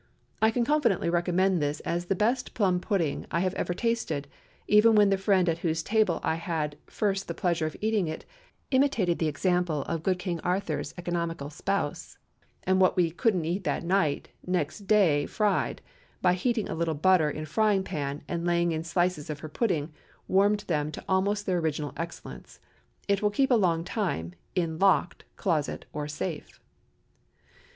I can confidently recommend this as the best plum pudding I have ever tasted, even when the friend at whose table I had first the pleasure of eating it imitated the example of "good King Arthur's" economical spouse, and what we "couldn't eat that night," "next day fried," by heating a little butter in a frying pan, and laying in slices of her pudding, warmed them into almost their original excellence. It will keep a long time—in a locked closet or safe.